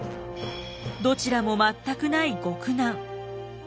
どちらも全くない極難。